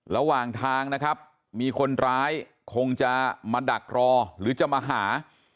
ระหว่างทางนะครับมีคนร้ายคงจะมาดักรอหรือจะมาหา